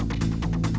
randi adam selamat juga